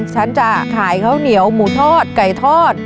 ฉันจะขายข้าวเหนียวหมูทอดไก่ทอด